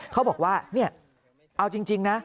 เขาบอกว่าเนี่ยเอาจริงนะ